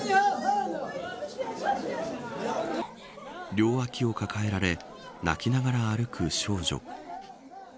両わきを抱えられ泣きながら歩く少女。